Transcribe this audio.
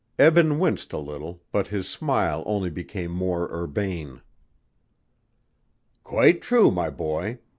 Eben winced a little, but his smile only became more urbane. "Quite true, my boy.